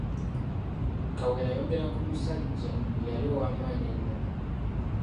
Kawere, ayogera ku musajja eyali ow'amaanyi ennyo.